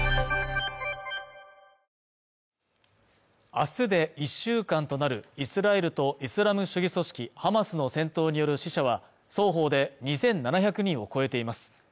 明日で１週間となるイスラエルとイスラム主義組織ハマスの戦闘による死者は双方で２７００人を超えています